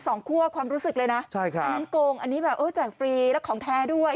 สองคั่วความรู้สึกเลยนะคุณโกงอันนี้แบบแจกฟรีแล้วของแท้ด้วย